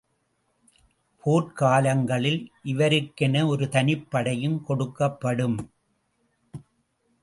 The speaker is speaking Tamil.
போர்க் காலங்களில் இவருக்கென ஒருதனிப் படையும் கொடுக்கப்படும்.